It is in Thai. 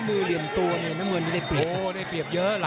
มันโดนแต่มันไม่ยุดนะ